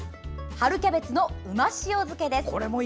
春キャベツの旨塩漬けです。